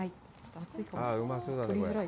熱いかもしれない。